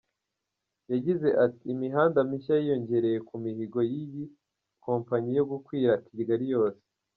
Yagize ati “Imihanda mishya yiyongereye ku mihigo y’iyi kompanyi yo gukwira Kigali yose.